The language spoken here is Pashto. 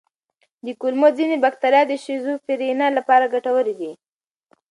د کولمو ځینې بکتریاوې د شیزوفرینیا لپاره ګټورې دي.